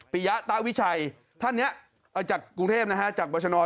ปิยะตาวิชัยท่านเนี่ยจากกรุงเทพฯจากบริชนอล